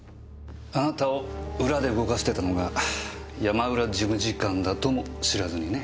あなたを裏で動かしてたのが山浦事務次官だとも知らずにね。